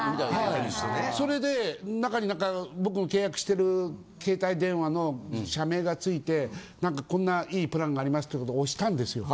・それで中に何か僕の契約してる携帯電話の社名がついて何かこんないいプランがありますっていうとこ押したんですよ。